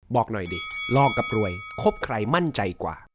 บอกหน่อยดิลอกกับรวยคบใครมั่นใจกว่า